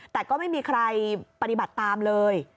แต่ก็ไม่มีใครปฏิบัติตามเลย